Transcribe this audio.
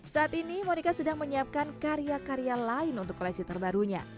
saat ini monica sedang menyiapkan karya karya lain untuk klasik terbaik